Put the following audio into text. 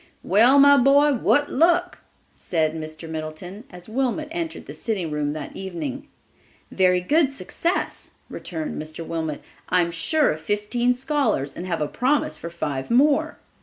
"Well, my boy, what luck?" said Mr. Middleton, as Wilmot entered the sitting room that evening. "Very good success," returned Mr. Wilmot; "I am sure of fifteen scholars and have a promise for five more."